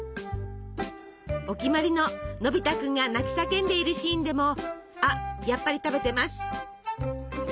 お決まりののび太君が泣き叫んでいるシーンでもあっやっぱり食べてます。